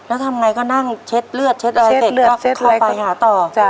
อะไรก็นั่งเช็ดเลือดเข้าไปหาต่อ